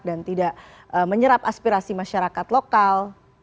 dan tidak menyerap aspirasi masyarakat lokal